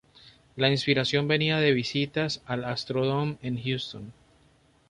La inspiración venía de visitas al Astrodome en Houston.